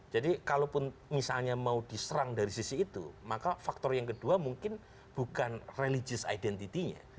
jadi kalau misalnya mau diserang dari sisi itu maka faktor yang kedua mungkin bukan religious identity nya